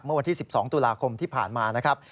เมื่อวันที่๑๒ตุลาคมที่ผ่านมานะครับ